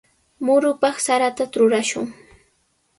Murupaq sarata trurashun.